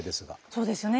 そうですよね。